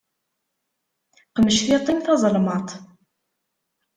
Qmec tiṭ-im tazelmaḍt.